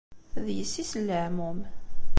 D yessi-s n leεmum.